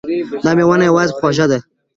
دا میوه نه یوازې خوږه ده